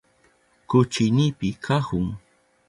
Kuchuynipi kahun.